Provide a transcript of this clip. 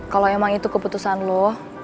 kalau emang itu keputusan lo